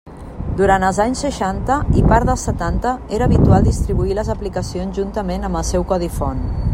Durant els anys seixanta i part dels setanta era habitual distribuir les aplicacions juntament amb el seu codi font.